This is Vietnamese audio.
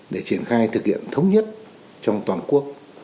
để triển khai thực hiện thống nhất trong toàn quốc